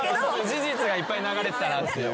事実がいっぱい流れてたなっていう。